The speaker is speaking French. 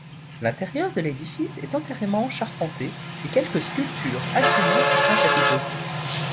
L'intérieur de l'édifice est entièrement charpenté, et quelques sculptures agrémentent certains chapiteaux.